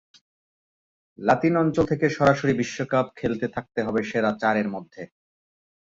লাতিন অঞ্চল থেকে সরাসরি বিশ্বকাপ খেলতে থাকতে হবে সেরা চারের মধ্যে।